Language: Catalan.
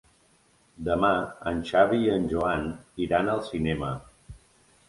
Demà en Xavi i en Joan iran al cinema.